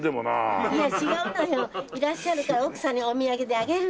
いらっしゃるから奥さんにお土産であげるのよ。